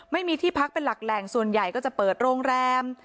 ไม่มีที่พักเป็นหลักแหล่งส่วนใหญ่ก็จะเปิดโรงแรม